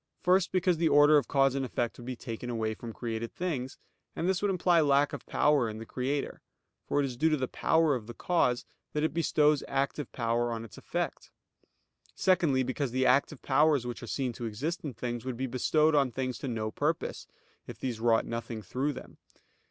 First, because the order of cause and effect would be taken away from created things: and this would imply lack of power in the Creator: for it is due to the power of the cause, that it bestows active power on its effect. Secondly, because the active powers which are seen to exist in things, would be bestowed on things to no purpose, if these wrought nothing through them.